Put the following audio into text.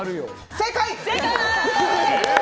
正解！